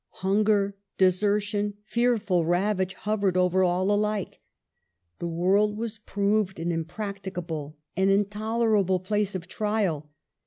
Hunger, desertion, fearful ravage, hovered over all alike. The world was proved an impracti cable, an intolerable place of trial.